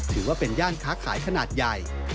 ถือว่าเป็นย่านค้าขายขนาดใหญ่